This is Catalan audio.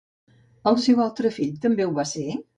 El seu altre fill també ho va ser?